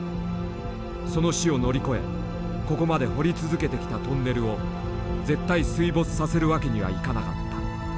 その死を乗り越えここまで掘り続けてきたトンネルを絶対水没させるわけにはいかなかった。